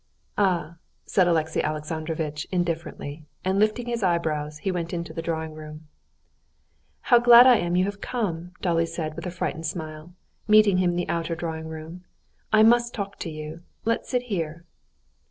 "Ah!" said Alexey Alexandrovitch indifferently, and lifting his eyebrows, he went into the drawing room. "How glad I am you have come," Dolly said with a frightened smile, meeting him in the outer drawing room. "I must talk to you. Let's sit here."